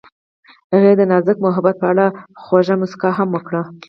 هغې د نازک محبت په اړه خوږه موسکا هم وکړه.